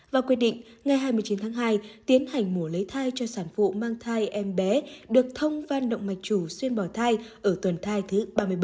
và quy định ngày hai mươi chín tháng hai tiến hành mổ lấy thai cho sản phụ mang thai em bé được thông van động mạch chủ xuyên bỏ thai ở tuần thai thứ ba mươi bảy